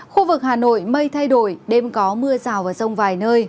khu vực hà nội mây thay đổi đêm có mưa rào và rông vài nơi